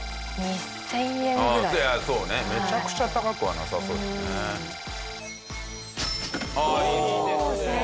めちゃくちゃ高くはなさそうだね。